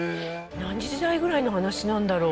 何時代ぐらいの話なんだろう？